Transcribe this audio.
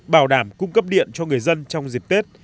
bảo đảm cung cấp điện cho người dân trong dịp tết